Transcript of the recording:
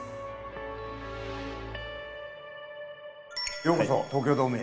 ようこそ東京ドームへ。